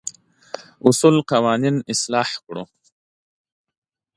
اصول قوانين اصلاح کړو.